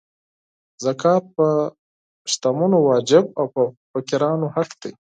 زکات په شتمنو واجب او په فقیرانو حق دی.